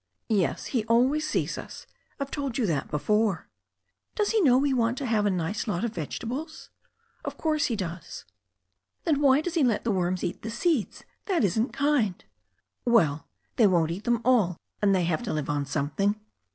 "Yes, He always sees us. I've told you all this before.'' "Does He know we want to have a nice lot of vege tables ?" "Of course He does." "Then why does He let the worms eat the seeds? That isn't kind." "Well, they won't eat them all, and they have to live on something."